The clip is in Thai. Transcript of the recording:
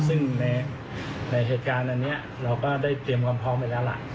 ซึ่งในเหตุการณ์อันนี้เราก็ได้เตรียมความพร้อมไปแล้วล่ะ